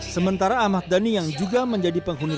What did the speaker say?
sementara ahmad dhani yang juga menjadi penghuni